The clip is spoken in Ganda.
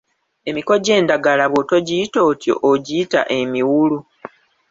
Emiko gy’endagala bw’otogiyita otyo ogiyita emiwulu.